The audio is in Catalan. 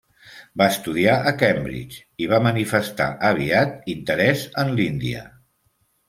Va estudiar a Cambridge i va manifestar aviat interès en l'Índia.